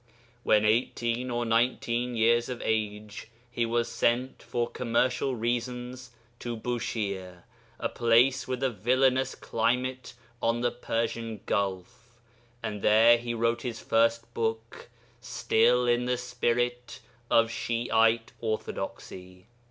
When eighteen or nineteen years of age he was sent, for commercial reasons, to Bushire, a place with a villainous climate on the Persian Gulf, and there he wrote his first book, still in the spirit of Shi'ite orthodoxy.